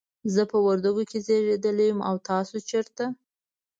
زه په وردګو کې زیږیدلی یم، او تاسو چیرته؟